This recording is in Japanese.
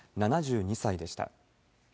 ７２歳でした。